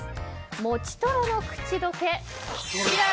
もちトロの口溶け。